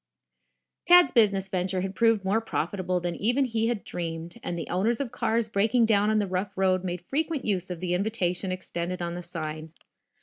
Tad's business venture had proved more profitable than even he had dreamed, and the owners of cars breaking down on the rough road made frequent use of the invitation extended on the sign.